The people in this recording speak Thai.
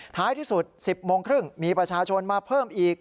ท้ายที่สุด๑๐โมงครึ่งมีประชาชนมาเพิ่มอีก